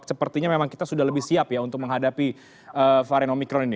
sepertinya memang kita sudah lebih siap ya untuk menghadapi varian omikron ini